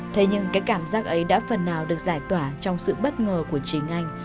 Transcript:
thế nhưng cái cảm giác ấy đã phần nào được giải tỏa trong sự bất ngờ của chính anh